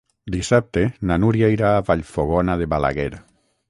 Dissabte na Núria irà a Vallfogona de Balaguer.